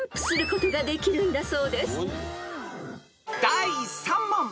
［第３問］